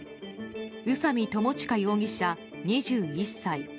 宇佐美巴悠容疑者、２１歳。